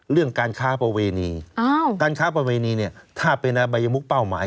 เรื่องการค้าประเวณีการค้าประเวณีเนี่ยถ้าเป็นอบัยมุกเป้าหมาย